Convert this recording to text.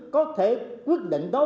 có thể quyết định đó